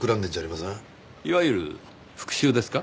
いわゆる復讐ですか？